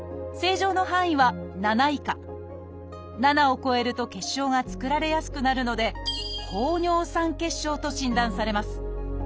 ７を超えると結晶が作られやすくなるので「高尿酸血症」と診断されます。